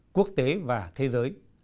quốc tế và thế giới